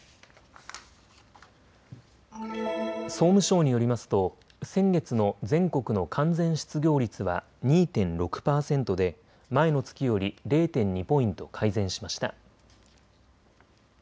総務省によりますと先月の全国の完全失業率は２．６％で前の月より０．２ポイント改善しました。